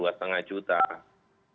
dan setara berasnya sekitar dua lima juta